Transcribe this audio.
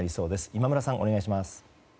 今村さん、お願いします。